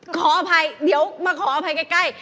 ขออภัยเดี๋ยวมาขออภัยใกล้